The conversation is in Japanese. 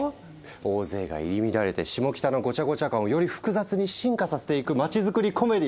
大勢が入り乱れてシモキタのごちゃごちゃ感をより複雑に進化させていく街づくりコメディー。